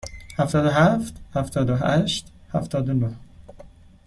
هفتاد و هفت، هفتاد و هشت، هفتاد و نه.